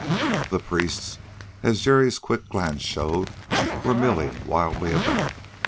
The priests, as Jerry's quick glance showed, were milling wildly about.